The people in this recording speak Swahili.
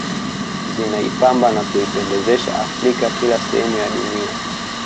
Zinaipamba na kuipendezesha Afrika kila sehemu ya dunia